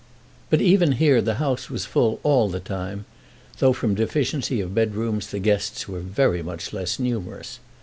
But even here the house was full all the time, though from deficiency of bedrooms the guests were very much less numerous.